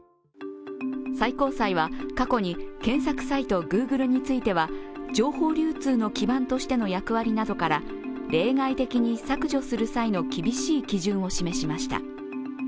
最高裁は過去に検索サイトグーグルについては情報流通の基盤としての役割などから例外的に削除する際の厳しい基準を示しました。